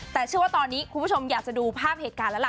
แต่เชื่อว่าตอนนี้คุณผู้ชมอยากจะดูภาพเหตุการณ์แล้วล่ะ